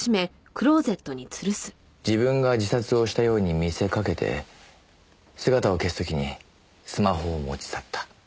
自分が自殺をしたように見せかけて姿を消す時にスマホを持ち去った。